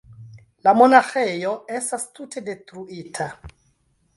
La monaĥejo estas tute detruita.